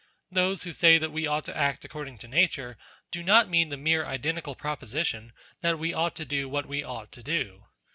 Those who say that we ought to act according to Nature do not mean the mere identical proposition that we ought to do what we ought to do.